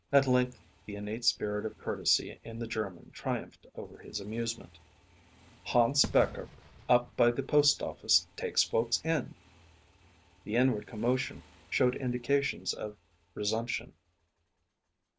At length the innate spirit of courtesy in the German triumphed over his amusement. "Hans Becher up by the postoffice takes folks in." The inward commotion showed indications of resumption.